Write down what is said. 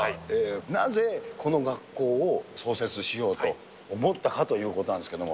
なぜ、この学校を創設しようと思ったかということなんですけれども。